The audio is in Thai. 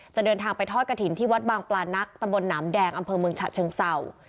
เดินทางไปทอดกระถิ่นที่วัดบางปลานักตำบลหนามแดงอำเภอเมืองฉะเชิงเศร้า